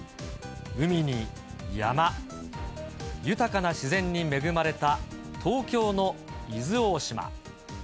海に山、豊かな自然に恵まれた東京の伊豆大島。